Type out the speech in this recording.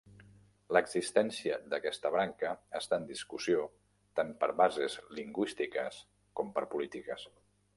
L'existència d'aquesta branca està en discussió tant per bases lingüístiques com per polítiques.